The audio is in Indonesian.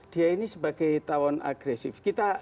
dia ini sebagai tawon agresif